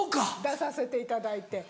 出させていただいて。